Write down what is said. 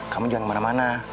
kamu jangan kemana mana